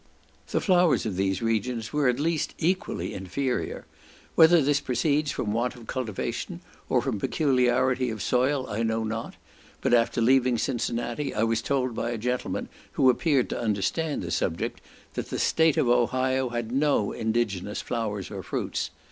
The flowers of these regions were at least equally inferior: whether this proceeds from want of cultivation or from peculiarity of soil I know not, but after leaving Cincinnati, I was told by a gentleman who appeared to understand the subject, that the state of Ohio had no indigenous flowers or fruits.